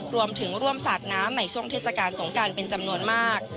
รวมถึงร่วมสาดน้ำในช่วงเทศกาลสงการเป็นจำนวนมาก